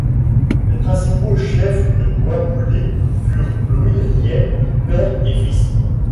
Les principaux chefs des Bois-Brûlés furent Louis Riel père et fils.